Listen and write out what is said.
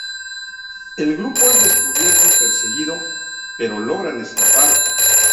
El grupo es descubierto y perseguido, pero logran escapar.